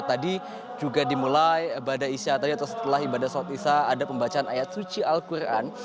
tadi juga dimulai ibadah isya tadi atau setelah ibadah sholat isya ada pembacaan ayat suci al quran